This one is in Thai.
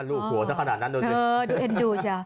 ลูกหัวเท่าขนาดนั้นดูดิ